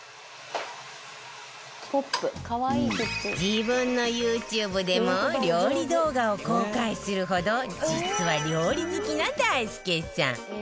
自分のＹｏｕＴｕｂｅでも料理動画を公開するほど実は、料理好きな大輔さん